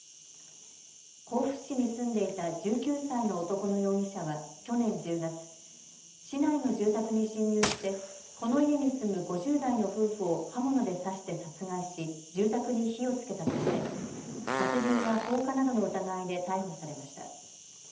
甲府市に住んでいた１９歳の男の容疑者は去年１０月、市内の住宅に侵入してこの家に住む５０代の夫婦を刃物で刺して殺害し住宅に火をつけたとして殺人や放火などの疑いで逮捕されました。